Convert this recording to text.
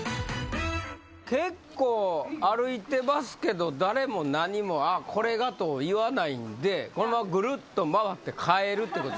結構歩いてますけど誰も何も「あっこれが」と言わないんでこのままグルッと回って帰るってことですね。